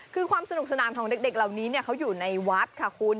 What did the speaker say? คือความสนุกสนานของเด็กเหล่านี้เขาอยู่ในวัดค่ะคุณ